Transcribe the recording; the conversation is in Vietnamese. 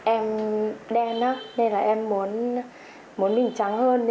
em đen nên là em muốn mình trắng hơn